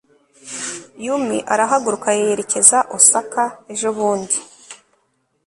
yumi arahaguruka yerekeza osaka ejobundi